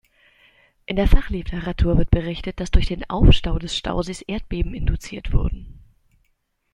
In der Fachliteratur wird berichtet, dass durch den Aufstau des Stausees Erdbeben induziert wurden.